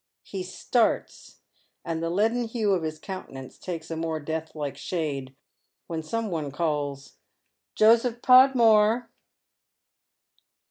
He starts, and the leaden hue of his countenance takes a more death like shade when some one calls " Joseph Podmore